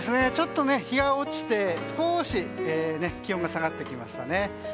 ちょっと日が落ちて少し気温が下がってきましたね。